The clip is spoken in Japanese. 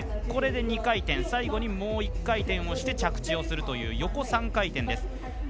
２回転、最後にもう１回転をして着地をするという横３回転です。